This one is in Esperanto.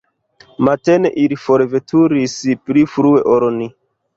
Matene ili forveturis pli frue ol ni.